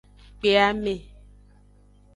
Kpe ame.